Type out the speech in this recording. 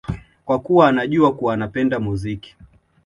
kwa kuwa anajua kuwa anapenda muziki